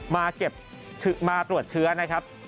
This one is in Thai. มาตรวจเชื้อนะครับ